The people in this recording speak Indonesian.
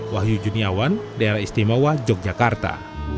wahyu juniawan daerah istimewa yogyakarta